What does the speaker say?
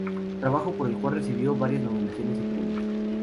Trabajo por el cual recibió varias nominaciones y premios.